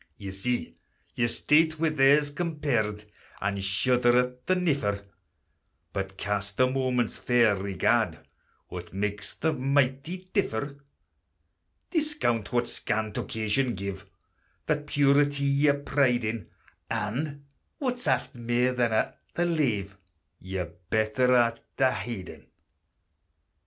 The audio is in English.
Ye see your state wi' theirs compared, And shudder at the niffer; But cast a moment's fair regard, What makes the mighty differ? Discount what scant occasion gave That purity ye pride in, And (what's aft mair than a' the lave) Your better art o' hidin'.